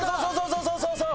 そうそうそうそう！